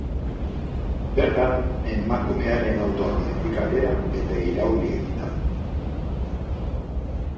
Bertan, emakumearen autoa bidetik atera, eta irauli egin da.